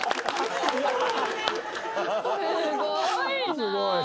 すごいな！